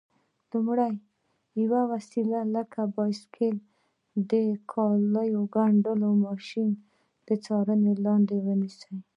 لومړی: یوه وسیله لکه بایسکل یا د کالیو ګنډلو ماشین تر څارنې لاندې ونیسئ.